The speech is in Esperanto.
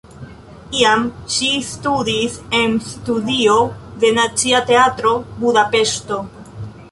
Iam ŝi studis en studio de Nacia Teatro (Budapeŝto).